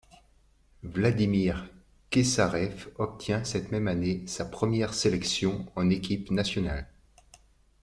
Vladimir Kesarev obtient cette même année sa première sélection en équipe nationale.